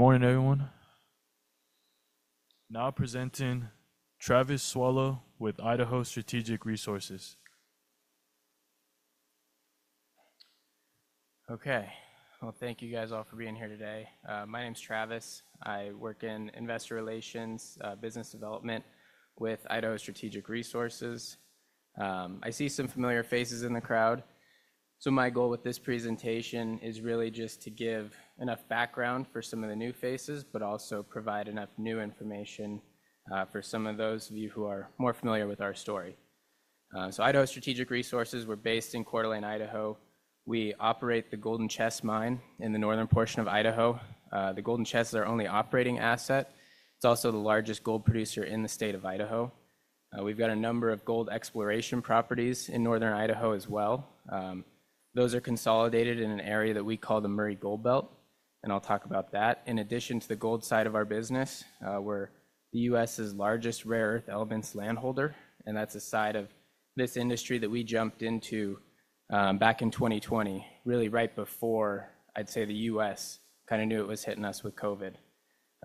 Good morning, everyone. Now presenting Travis Swallow with Idaho Strategic Resources. Okay. Thank you guys all for being here today. My name's Travis. I work in investor relations, business development with Idaho Strategic Resources. I see some familiar faces in the crowd. My goal with this presentation is really just to give enough background for some of the new faces, but also provide enough new information for some of those of you who are more familiar with our story. Idaho Strategic Resources, we're based in Coeur d'Alene, Idaho. We operate the Golden Chest Mine in the northern portion of Idaho. The Golden Chest is our only operating asset. It's also the largest gold producer in the state of Idaho. We've got a number of gold exploration properties in northern Idaho as well. Those are consolidated in an area that we call the Murray Gold Belt. I'll talk about that. In addition to the gold side of our business, we're the U.S.'s largest rare earth elements landholder. That's a side of this industry that we jumped into back in 2020, really right before, I'd say, the U.S. kind of knew it was hitting us with COVID.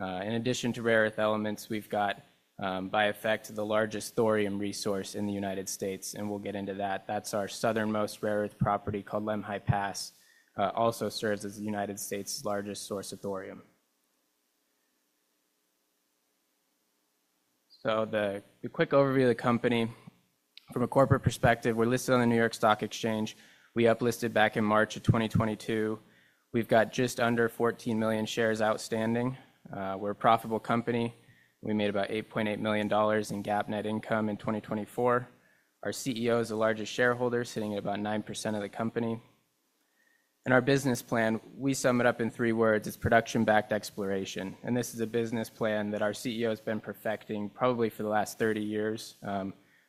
In addition to rare earth elements, we've got, by effect, the largest thorium resource in the United States. We'll get into that. That's our southernmost rare earth property called Lemhi Pass. It also serves as the United States' largest source of thorium. The quick overview of the company from a corporate perspective, we're listed on the New York Stock Exchange. We uplisted back in March of 2022. We've got just under 14 million shares outstanding. We're a profitable company. We made about $8.8 million in GAAP net income in 2024. Our CEO is the largest shareholder, sitting at about 9% of the company. Our business plan, we sum it up in three words. It's production-backed exploration. This is a business plan that our CEO has been perfecting probably for the last 30 years,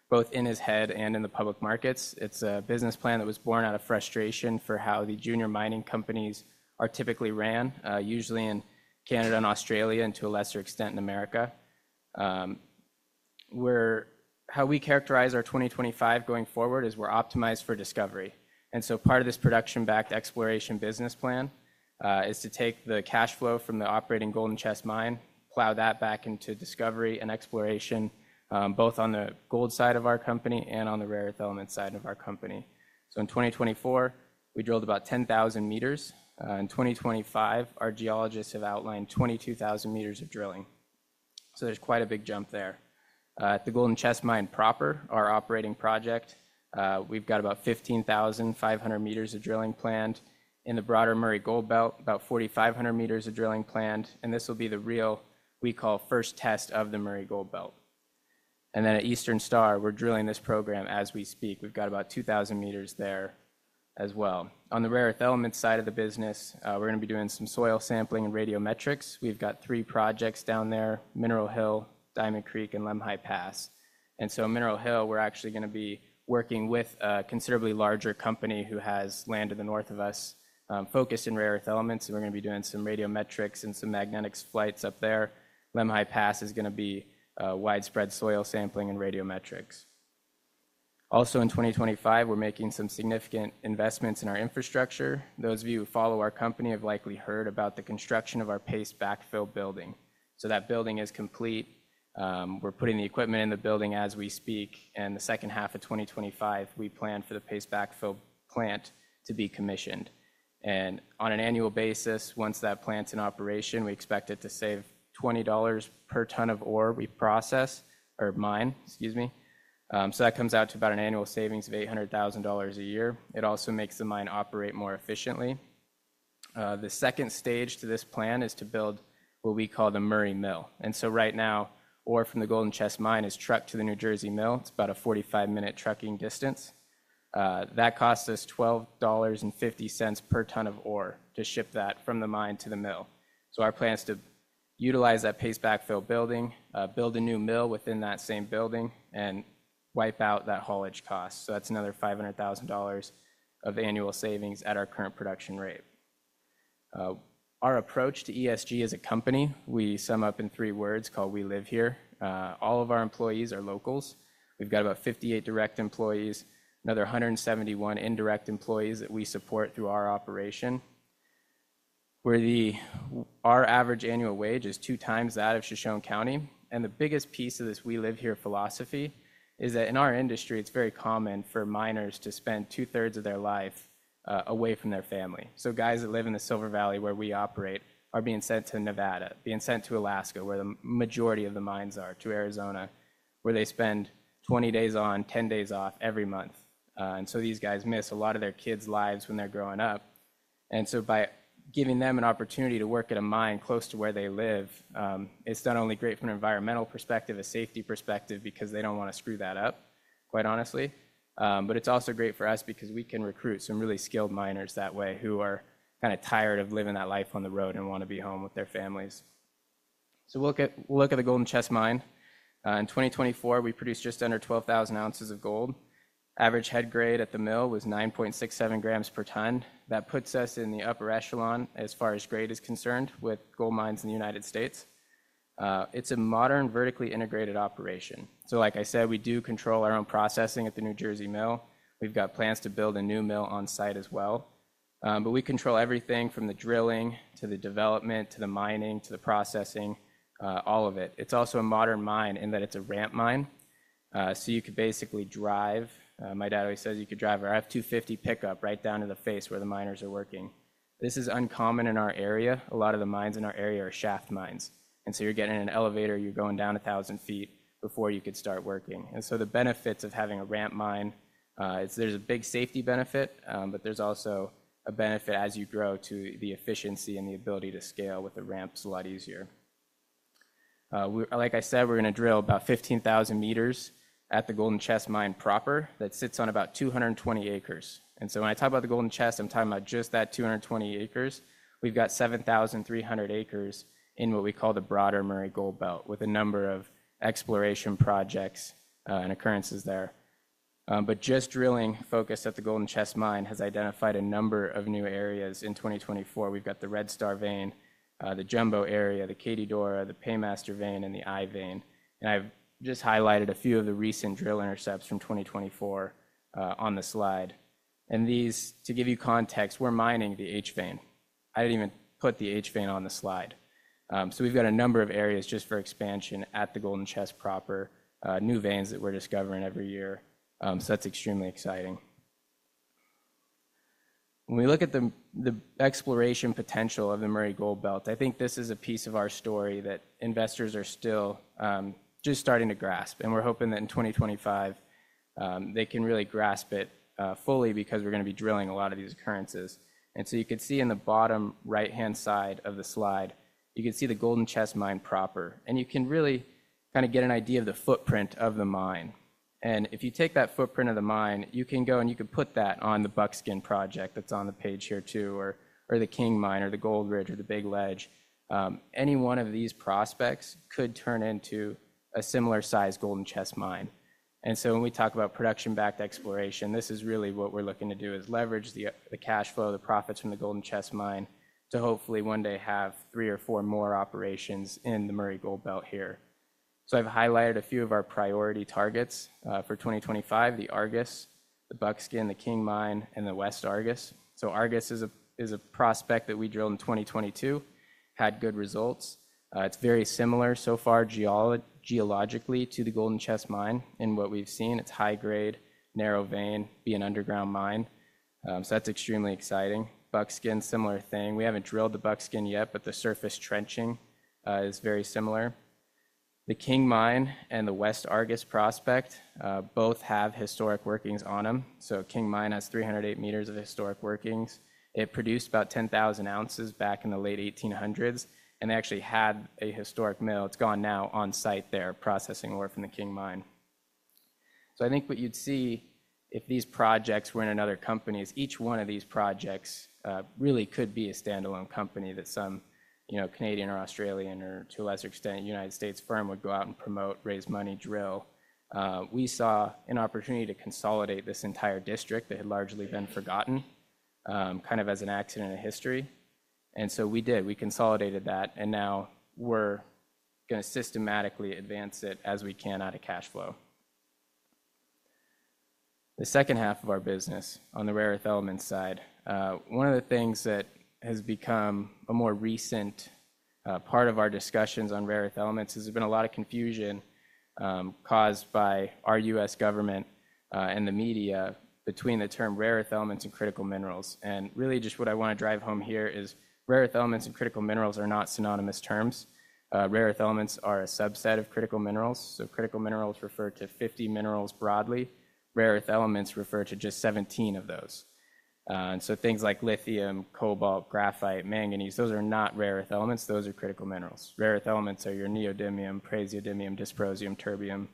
both in his head and in the public markets. It is a business plan that was born out of frustration for how the junior mining companies are typically ran, usually in Canada and Australia, and to a lesser extent in America. How we characterize our 2025 going forward is we're optimized for discovery. Part of this production-backed exploration business plan is to take the cash flow from the operating Golden Chest Mine, plow that back into discovery and exploration, both on the gold side of our company and on the rare earth elements side of our company. In 2024, we drilled about 10,000 m. In 2025, our geologists have outlined 22,000 m of drilling. There is quite a big jump there. At the Golden Chest Mine proper, our operating project, we have about 15,500 m of drilling planned. In the broader Murray Gold Belt, about 4,500 m of drilling planned. This will be the real, we call, first test of the Murray Gold Belt. At Eastern Star, we are drilling this program as we speak. We have about 2,000 m there as well. On the rare earth elements side of the business, we are going to be doing some soil sampling and radiometrics. We have three projects down there: Mineral Hill, Diamond Creek, and Lemhi Pass. Mineral Hill, we are actually going to be working with a considerably larger company who has land to the north of us focused in rare earth elements. We're going to be doing some radiometrics and some magnetics flights up there. Lemhi Pass is going to be widespread soil sampling and radiometrics. Also, in 2025, we're making some significant investments in our infrastructure. Those of you who follow our company have likely heard about the construction of paste backfill building. That building is complete. We're putting the equipment in the building as we speak. In the second half of 2025, we plan for paste backfill plant to be commissioned. On an annual basis, once that plant's in operation, we expect it to save $20 per ton of ore we process or mine, excuse me. That comes out to about an annual savings of $800,000 a year. It also makes the mine operate more efficiently. The second stage to this plan is to build what we call the Murray Mill. Right now, ore from the Golden Chest Mine is trucked to the New Jersey Mill. It's about a 45-minute trucking distance. That costs us $12.50 per ton of ore to ship that from the mine to the mill. Our plan is to utilize paste backfill building, build a new mill within that same building, and wipe out that haulage cost. That's another $500,000 of annual savings at our current production rate. Our approach to ESG as a company, we sum up in three words called We Live Here. All of our employees are locals. We've got about 58 direct employees, another 171 indirect employees that we support through our operation. Our average annual wage is two times that of Shoshone County. The biggest piece of this We Live Here philosophy is that in our industry, it's very common for miners to spend two-thirds of their life away from their family. Guys that live in the Silver Valley where we operate are being sent to Nevada, being sent to Alaska, where the majority of the mines are, to Arizona, where they spend 20 days on, 10 days off every month. These guys miss a lot of their kids' lives when they're growing up. By giving them an opportunity to work at a mine close to where they live, it's not only great from an environmental perspective, a safety perspective, because they don't want to screw that up, quite honestly. It is also great for us because we can recruit some really skilled miners that way who are kind of tired of living that life on the road and want to be home with their families. We will look at the Golden Chest Mine. In 2024, we produced just under 12,000 ounces of gold. Average head grade at the mill was 9.67 grams per ton. That puts us in the upper echelon as far as grade is concerned with gold mines in the United States. It is a modern, vertically integrated operation. Like I said, we do control our own processing at the New Jersey Mill. We have plans to build a new mill on site as well. We control everything from the drilling to the development to the mining to the processing, all of it. It is also a modern mine in that it is a ramp mine. You could basically drive. My dad always says you could drive our F-250 pickup right down to the face where the miners are working. This is uncommon in our area. A lot of the mines in our area are shaft mines. You are getting in an elevator. You are going down 1,000 feet before you could start working. The benefits of having a ramp mine is there is a big safety benefit, but there is also a benefit as you grow to the efficiency and the ability to scale with the ramps a lot easier. Like I said, we are going to drill about 15,000 m at the Golden Chest Mine proper that sits on about 220 acres. When I talk about the Golden Chest, I am talking about just that 220 acres. We've got 7,300 acres in what we call the broader Murray Gold Belt with a number of exploration projects and occurrences there. Just drilling focused at the Golden Chest Mine has identified a number of new areas in 2024. We've got the Red Star Vein, the Jumbo Area, the Katie-Dora, the Paymaster Vein, and the I-Vein. I've just highlighted a few of the recent drill intercepts from 2024 on the slide. To give you context, we're mining the H-Vein. I didn't even put the H-Vein on the slide. We've got a number of areas just for expansion at the Golden Chest Proper, new veins that we're discovering every year. That's extremely exciting. When we look at the exploration potential of the Murray Gold Belt, I think this is a piece of our story that investors are still just starting to grasp. We are hoping that in 2025, they can really grasp it fully because we are going to be drilling a lot of these occurrences. You can see in the bottom right-hand side of the slide, you can see the Golden Chest Mine proper. You can really kind of get an idea of the footprint of the mine. If you take that footprint of the mine, you can go and you can put that on the Buckskin Project that is on the page here too, or the King Mine, or the Gold Ridge, or the Big Ledge. Any one of these prospects could turn into a similar-sized Golden Chest Mine. When we talk about production-backed exploration, this is really what we're looking to do is leverage the cash flow, the profits from the Golden Chest Mine to hopefully one day have three or four more operations in the Murray Gold Belt here. I've highlighted a few of our priority targets for 2025: the Argus, the Buckskin, the King Mine, and the West Argus. Argus is a prospect that we drilled in 2022, had good results. It's very similar so far geologically to the Golden Chest Mine in what we've seen. It's high grade, narrow vein, be an underground mine. That's extremely exciting. Buckskin, similar thing. We haven't drilled the Buckskin yet, but the surface trenching is very similar. The King Mine and the West Argus prospect both have historic workings on them. King Mine has 308 m of historic workings. It produced about 10,000 ounces back in the late 1800s. They actually had a historic mill. It's gone now on site there processing ore from the King Mine. I think what you'd see if these projects were in another company is each one of these projects really could be a standalone company that some Canadian or Australian or, to a lesser extent, United States firm would go out and promote, raise money, drill. We saw an opportunity to consolidate this entire district that had largely been forgotten, kind of as an accident in history. We did. We consolidated that. Now we're going to systematically advance it as we can out of cash flow. The second half of our business on the rare earth elements side, one of the things that has become a more recent part of our discussions on rare earth elements is there's been a lot of confusion caused by our U.S. government and the media between the term rare earth elements and critical minerals. Really just what I want to drive home here is rare earth elements and critical minerals are not synonymous terms. Rare earth elements are a subset of critical minerals. Critical minerals refer to 50 minerals broadly. Rare earth elements refer to just 17 of those. Things like lithium, cobalt, graphite, manganese, those are not rare earth elements. Those are critical minerals. Rare earth elements are your neodymium, praseodymium, dysprosium, terbium.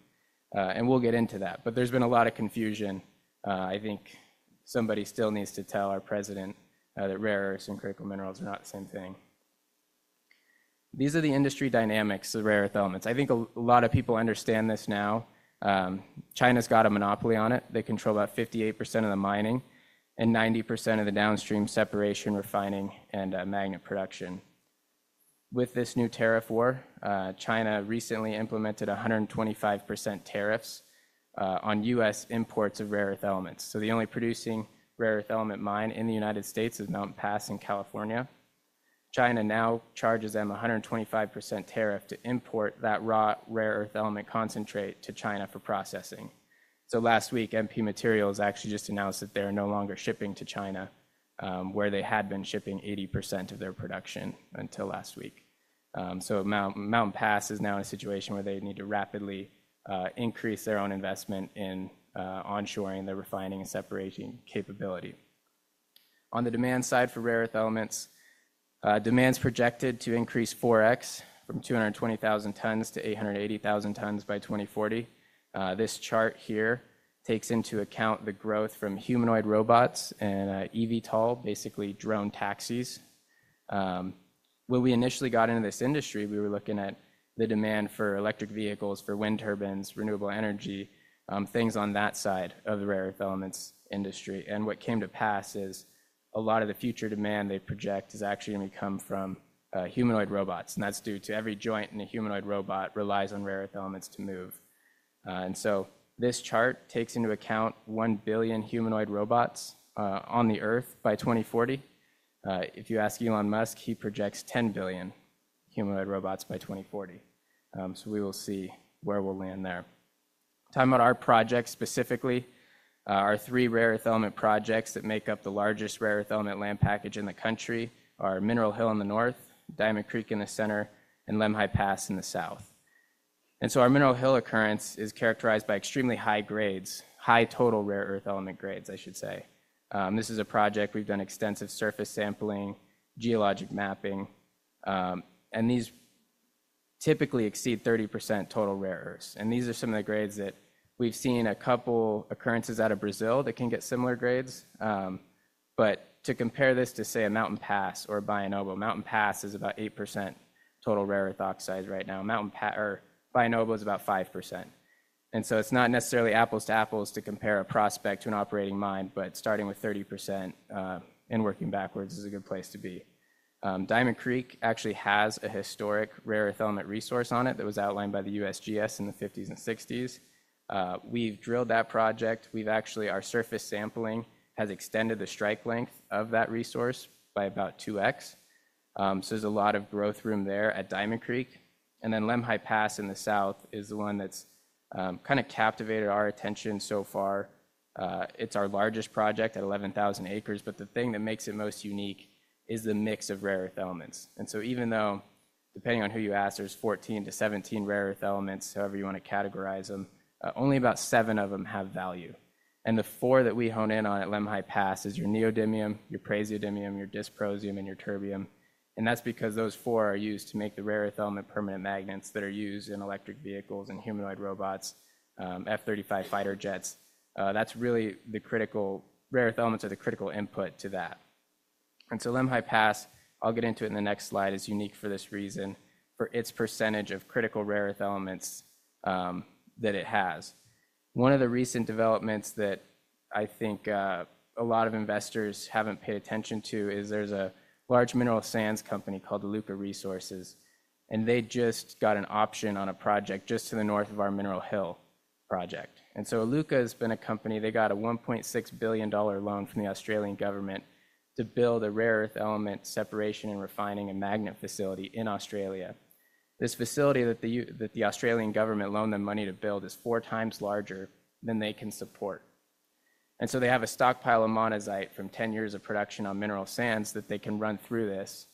We'll get into that. There's been a lot of confusion. I think somebody still needs to tell our president that rare earths and critical minerals are not the same thing. These are the industry dynamics of rare earth elements. I think a lot of people understand this now. China's got a monopoly on it. They control about 58% of the mining and 90% of the downstream separation, refining, and magnet production. With this new tariff war, China recently implemented 125% tariffs on U.S. imports of rare earth elements. The only producing rare earth element mine in the United States is Mountain Pass in California. China now charges them a 125% tariff to import that raw rare earth element concentrate to China for processing. Last week, MP Materials actually just announced that they are no longer shipping to China where they had been shipping 80% of their production until last week. Mountain Pass is now in a situation where they need to rapidly increase their own investment in onshoring their refining and separating capability. On the demand side for rare earth elements, demand's projected to increase 4x from 220,000 tons to 880,000 tons by 2040. This chart here takes into account the growth from humanoid robots and eVTOL, basically drone taxis. When we initially got into this industry, we were looking at the demand for electric vehicles, for wind turbines, renewable energy, things on that side of the rare earth elements industry. What came to pass is a lot of the future demand they project is actually going to come from humanoid robots. That's due to every joint in a humanoid robot relies on rare earth elements to move. This chart takes into account 1 billion humanoid robots on the earth by 2040. If you ask Elon Musk, he projects 10 billion humanoid robots by 2040. We will see where we will land there. Talking about our projects specifically, our three rare earth element projects that make up the largest rare earth element land package in the country are Mineral Hill in the north, Diamond Creek in the center, and Lemhi Pass in the south. Our Mineral Hill occurrence is characterized by extremely high grades, high total rare earth element grades, I should say. This is a project we have done extensive surface sampling, geologic mapping. These typically exceed 30% total rare earths. These are some of the grades that we have seen a couple occurrences out of Brazil that can get similar grades. To compare this to, say, a Mountain Pass or a Bayan Obo, Mountain Pass is about 8% total rare earth oxides right now. Bayan Obo is about 5%. It is not necessarily apples to apples to compare a prospect to an operating mine, but starting with 30% and working backwards is a good place to be. Diamond Creek actually has a historic rare earth element resource on it that was outlined by the U.S. Geological Survey in the 1950s and 1960s. We have drilled that project. Actually, our surface sampling has extended the strike length of that resource by about 2x. There is a lot of growth room there at Diamond Creek. Lemhi Pass in the south is the one that has kind of captivated our attention so far. It is our largest project at 11,000 acres. The thing that makes it most unique is the mix of rare earth elements. Even though, depending on who you ask, there are 14 to 17 rare earth elements, however you want to categorize them, only about seven of them have value. The four that we hone in on at Lemhi Pass are your neodymium, your praseodymium, your dysprosium, and your terbium. That is because those four are used to make the rare earth element permanent magnets that are used in electric vehicles and humanoid robots, F-35 fighter jets. That is really the critical rare earth elements are the critical input to that. Lemhi Pass, I will get into it in the next slide, is unique for this reason for its percentage of critical rare earth elements that it has. One of the recent developments that I think a lot of investors have not paid attention to is there is a large mineral sands company called Iluka Resources They just got an option on a project just to the north of our Mineral Hill project. Iluka has been a company. They got a $1.6 billion loan from the Australian government to build a rare earth element separation and refining and magnet facility in Australia. This facility that the Australian government loaned them money to build is four times larger than they can support. They have a stockpile of monazite from 10 years of production on mineral sands that they can run through this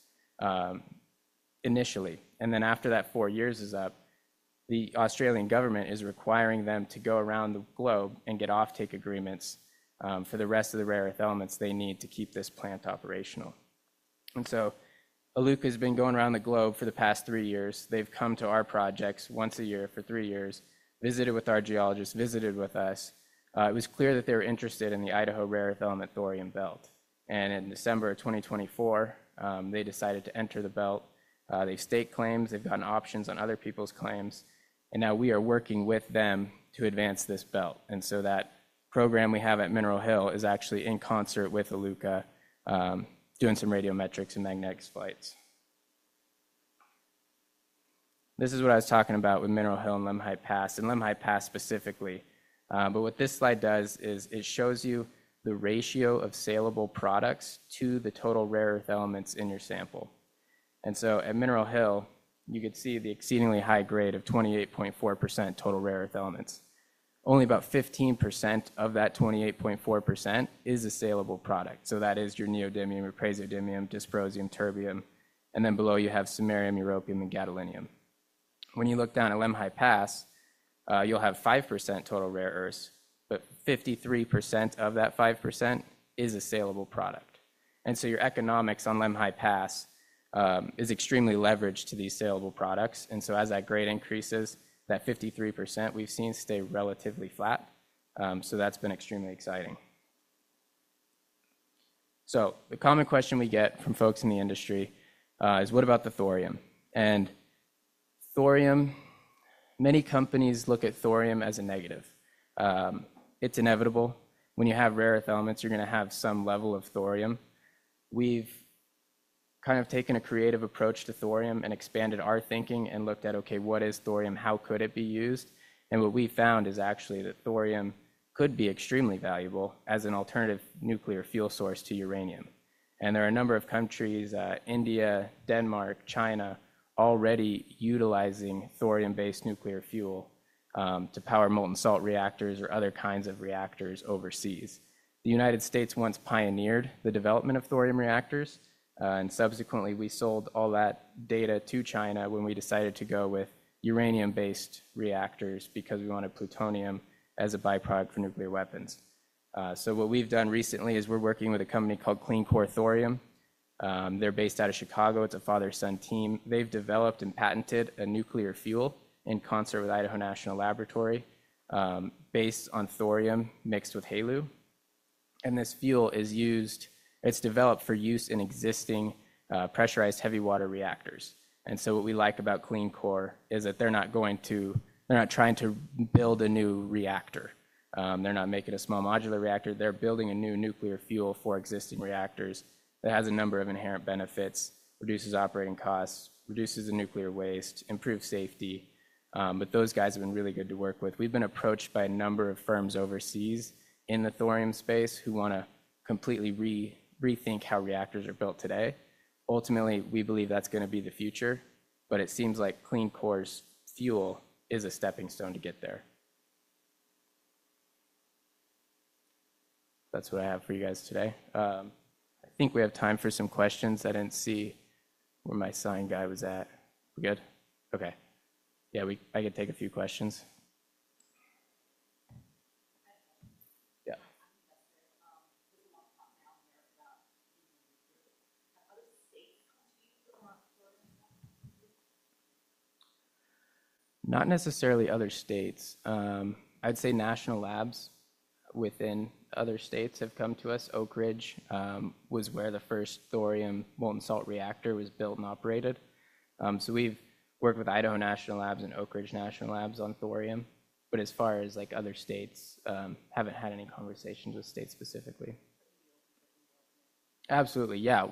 initially. After that four years is up, the Australian government is requiring them to go around the globe and get offtake agreements for the rest of the rare earth elements they need to keep this plant operational. Iluka has been going around the globe for the past three years. They've come to our projects once a year for three years, visited with our geologists, visited with us. It was clear that they were interested in the Idaho Rare Earth Element Thorium Belt. In December of 2024, they decided to enter the belt. They've staked claims. They've gotten options on other people's claims. Now we are working with them to advance this belt. That program we have at Mineral Hill is actually in concert with Iluka, doing some radiometrics and magnetics flights. This is what I was talking about with Mineral Hill and Lemhi Pass, and Lemhi Pass specifically. What this slide does is it shows you the ratio of salable products to the total rare earth elements in your sample. At Mineral Hill, you could see the exceedingly high grade of 28.4% total rare earth elements. Only about 15% of that 28.4% is a salable product. That is your neodymium, your praseodymium, dysprosium, terbium. Below you have samarium, europium, and gadolinium. When you look down at Lemhi Pass, you'll have 5% total rare earths, but 53% of that 5% is a salable product. Your economics on Lemhi Pass is extremely leveraged to these salable products. As that grade increases, that 53% we've seen stay relatively flat. That has been extremely exciting. The common question we get from folks in the industry is, what about the thorium? Thorium, many companies look at thorium as a negative. It's inevitable. When you have rare earth elements, you're going to have some level of thorium. We've kind of taken a creative approach to thorium and expanded our thinking and looked at, okay, what is thorium? How could it be used? What we found is actually that thorium could be extremely valuable as an alternative nuclear fuel source to uranium. There are a number of countries, India, Denmark, China, already utilizing thorium-based nuclear fuel to power molten salt reactors or other kinds of reactors overseas. The United States once pioneered the development of thorium reactors. Subsequently, we sold all that data to China when we decided to go with uranium-based reactors because we wanted plutonium as a byproduct for nuclear weapons. What we have done recently is we are working with a company called Clean Core Thorium. they are based out of Chicago. It is a father-son team. They have developed and patented a nuclear fuel in concert with Idaho National Laboratory based on thorium mixed with HALEU. This fuel is used, it is developed for use in existing pressurized heavy water reactors. What we like about Clean Core is that they're not going to, they're not trying to build a new reactor. They're not making a small modular reactor. They're building a new nuclear fuel for existing reactors that has a number of inherent benefits, reduces operating costs, reduces the nuclear waste, improves safety. Those guys have been really good to work with. We've been approached by a number of firms overseas in the thorium space who want to completely rethink how reactors are built today. Ultimately, we believe that's going to be the future. It seems like Clean Core's fuel is a stepping stone to get there. That's what I have for you guys today. I think we have time for some questions. I didn't see where my sign guy was at. We good? Okay. Yeah, I can take a few questions. Yeah. Not necessarily other states. I'd say national labs within other states have come to us. Oak Ridge was where the first thorium molten salt reactor was built and operated. We've worked with Idaho National Laboratory and Oak Ridge National Laboratory on thorium. As far as other states, haven't had any conversations with states specifically. Absolutely. Yeah.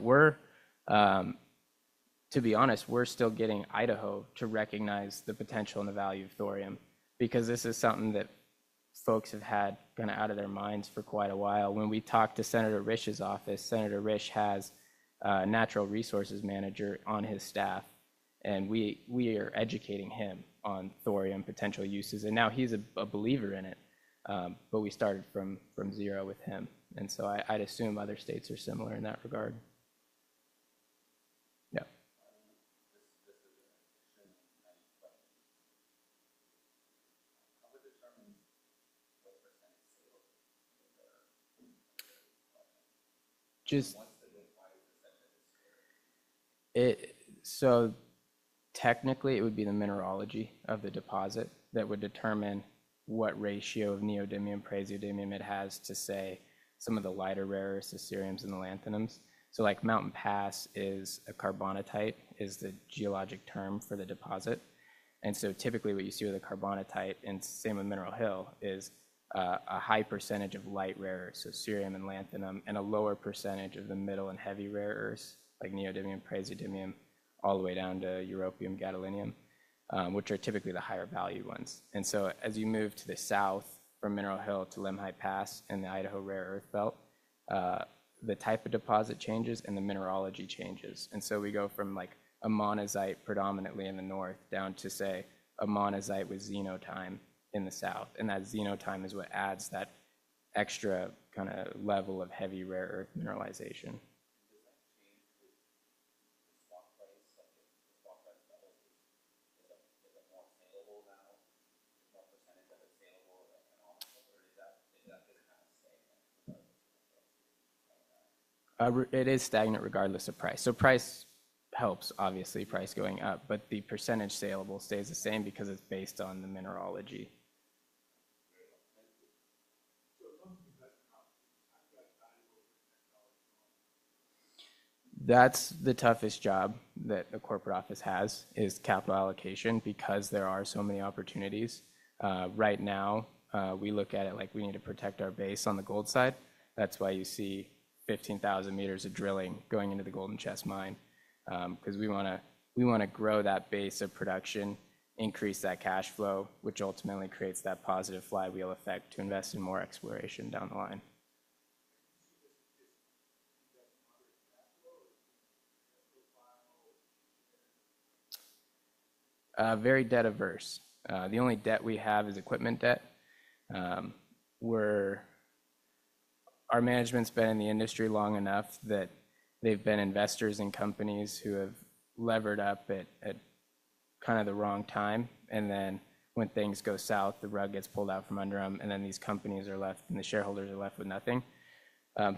To be honest, we're still getting Idaho to recognize the potential and the value of thorium because this is something that folks have had kind of out of their minds for quite a while. When we talked to Senator Risch's office, Senator Risch has a natural resources manager on his staff. We are educating him on thorium potential uses. Now he's a believer in it. We started from zero with him. I'd assume other states are similar in that regard. Yeah. Technically, it would be the mineralogy of the deposit that would determine what ratio of neodymium, praseodymium it has to, say, some of the lighter rare earths, the ceriums and the lanthanums. Mountain Pass is a carbonatite, which is the geologic term for the deposit. Typically what you see with a carbonatite, and same with Mineral Hill, is a high percentage of light rare earth, so cerium and lanthanum, and a lower percentage of the middle and heavy rare earths, like neodymium, praseodymium, all the way down to europium, gadolinium, which are typically the higher value ones. As you move to the south from Mineral Hill to Lemhi Pass and the Idaho rare earth belt, the type of deposit changes and the mineralogy changes. We go from a monazite predominantly in the north down to, say, a monazite with xenotime in the south. That xenotime is what adds that extra kind of level of heavy rare earth mineralization. Does that change the stock price? Is it more salable now? What percentage of it is salable or is that going to kind of stagnate? It is stagnant regardless of price. Price helps, obviously, price going up. The percentage salable stays the same because it is based on the mineralogy. That is the toughest job that the corporate office has, capital allocation, because there are so many opportunities. Right now, we look at it like we need to protect our base on the gold side. That's why you see 15,000 m of drilling going into the Golden Chest Mine because we want to grow that base of production, increase that cash flow, which ultimately creates that positive flywheel effect to invest in more exploration down the line. Very debt averse. The only debt we have is equipment debt. Our management's been in the industry long enough that they've been investors in companies who have levered up at kind of the wrong time. When things go south, the rug gets pulled out from under them. These companies are left and the shareholders are left with nothing.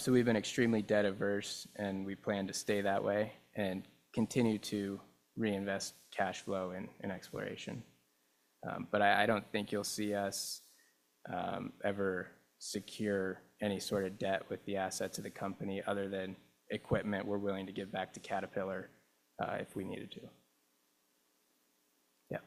We have been extremely debt averse. We plan to stay that way and continue to reinvest cash flow in exploration. I don't think you'll see us ever secure any sort of debt with the assets of the company other than equipment we're willing to give back to Caterpillar if we needed to. Yeah.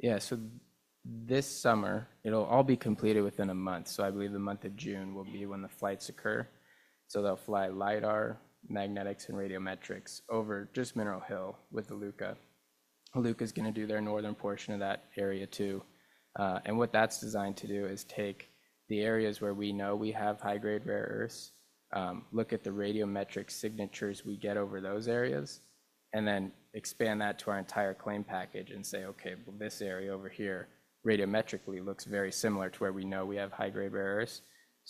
Yeah. This summer, it'll all be completed within a month. I believe the month of June will be when the flights occur. They'll fly LIDAR, magnetics, and radiometrics over just Mineral Hill with Iluka. Iluka is going to do their northern portion of that area too. What that's designed to do is take the areas where we know we have high-grade rare earths, look at the radiometric signatures we get over those areas, and then expand that to our entire claim package and say, okay, this area over here radiometrically looks very similar to where we know we have high-grade rare earths.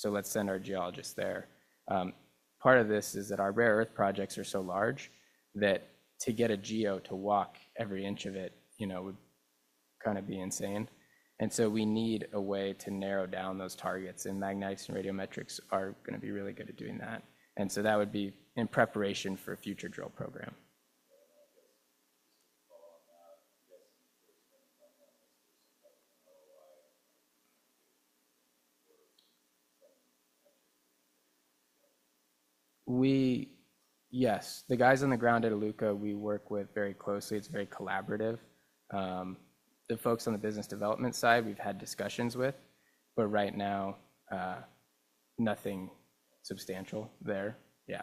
Let's send our geologists there. Part of this is that our rare earth projects are so large that to get a geo to walk every inch of it would kind of be insane. We need a way to narrow down those targets. Magnetics and radiometrics are going to be really good at doing that. That would be in preparation for a future drill program. Yes. The guys on the ground at Iluka, we work with very closely. It is very collaborative. The folks on the business development side we have had discussions with. Right now, nothing substantial there. Yeah.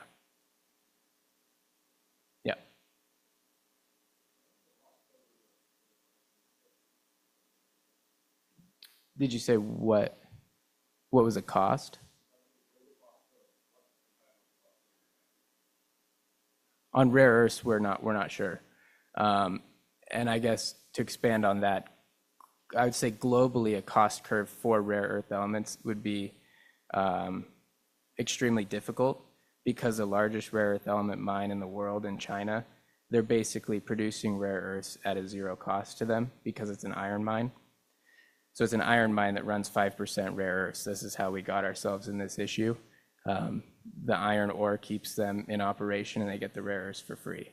Did you say what was the cost? On rare earths, we are not sure. I guess to expand on that, I would say globally, a cost curve for rare earth elements would be extremely difficult because the largest rare earth element mine in the world in China, they're basically producing rare earths at a zero cost to them because it's an iron mine. It's an iron mine that runs 5% rare earths. This is how we got ourselves in this issue. The iron ore keeps them in operation and they get the rare earths for free.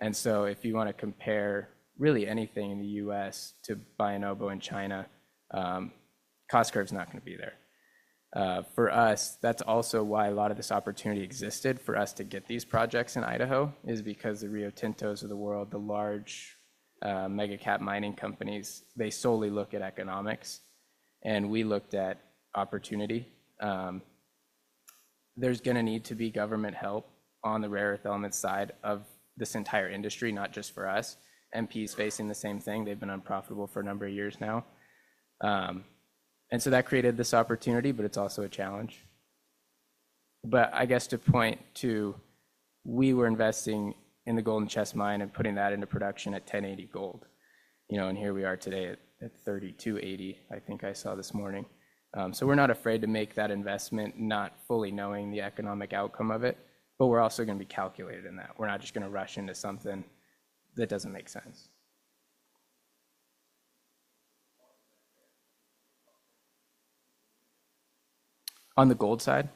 If you want to compare really anything in the U.S. to Bayan Obo in China, cost curve's not going to be there. For us, that's also why a lot of this opportunity existed for us to get these projects in Idaho is because the Rio Tintos of the world, the large mega-cap mining companies, they solely look at economics. We looked at opportunity. There's going to need to be government help on the rare earth element side of this entire industry, not just for us. MP is facing the same thing. They've been unprofitable for a number of years now. That created this opportunity, but it's also a challenge. I guess to point to, we were investing in the Golden Chest Mine and putting that into production at $1,080 gold. Here we are today at $3,280, I think I saw this morning. We're not afraid to make that investment, not fully knowing the economic outcome of it. We're also going to be calculated in that. We're not just going to rush into something that doesn't make sense. On the gold side,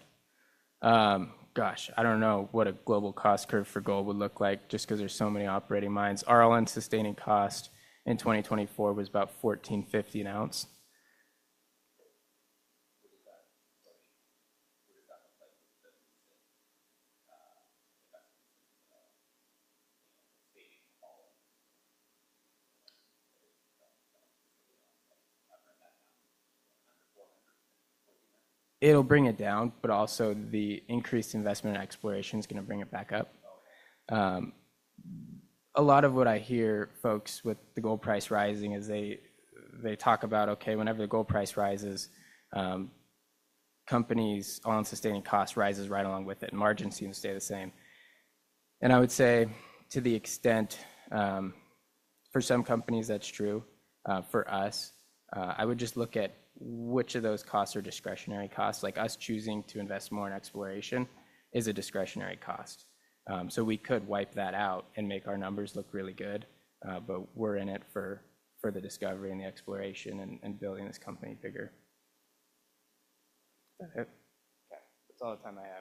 gosh, I don't know what a global cost curve for gold would look like just because there's so many operating mines. All-in sustaining cost in 2024 was about $1,450 an ounce. It'll bring it down, but also the increased investment in exploration is going to bring it back up. A lot of what I hear folks with the gold price rising is they talk about, okay, whenever the gold price rises, companies' all-in sustaining cost rises right along with it. Margins seem to stay the same. I would say to the extent, for some companies, that's true. For us, I would just look at which of those costs are discretionary costs. us choosing to invest more in exploration is a discretionary cost. We could wipe that out and make our numbers look really good. We're in it for the discovery and the exploration and building this company bigger. That's all the time I have.